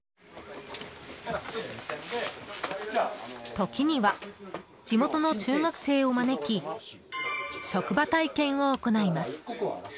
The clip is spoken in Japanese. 時には地元の中学生を招き職場体験を行います。